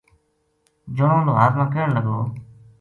جنو لوہار نا کہن لگو